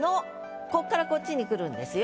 こっからこっちに来るんですよ。